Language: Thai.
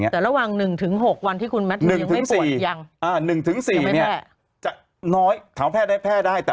แต่ระหว่าง๑๖วันที่คุณแม็ทไม่ปวดยัง